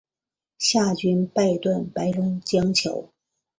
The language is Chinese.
夏军弄断白龙江桥。